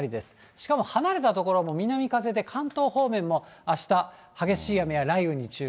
しかも離れた所も南風で関東方面もあした、激しい雨や雷雨に注意。